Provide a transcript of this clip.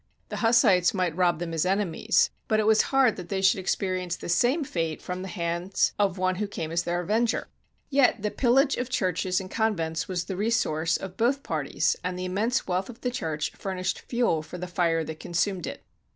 The Hussites might rob them as enemies, but it was hard that they should experience the same fate from the hands of one who came as their avenger. Yet the pil lage of churches and convents was the resource of both parties, and the immense wealth of the Church fur nished fuel for the fire that consumed it.